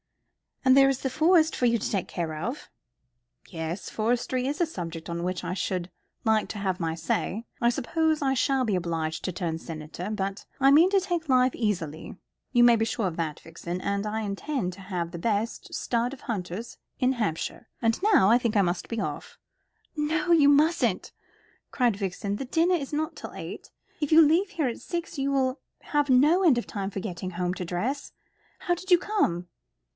"And there is the Forest for you to take care of." "Yes, forestry is a subject on which I should like to have my say. I suppose I shall be obliged to turn senator. But I mean to take life easily you may be sure of that, Vixen; and I intend to have the best stud of hunters in Hampshire. And now I think I must be off." "No, you mustn't," cried Violet. "The dinner is not till eight. If you leave here at six you will have no end of time for getting home to dress. How did you come?"